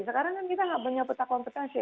sekarang kan kita nggak punya peta kompetensi